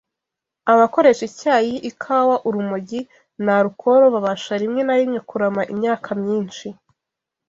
Abakoresha icyayi, ikawa, urumogi, na alukoro babasha rimwe na rimwe kurama imyaka myinshi,